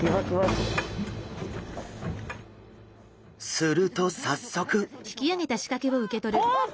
すると早速！おっ！